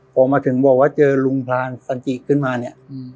พอมาถึงบอกว่าเจอลุงพลางสันจิขึ้นมาเนี่ย